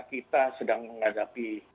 kita sedang menghadapi